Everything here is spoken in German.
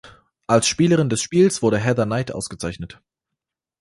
Als Spielerin des Spiels wurde Heather Knight ausgezeichnet.